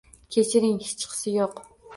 Kechiring, hechqisi yo'q.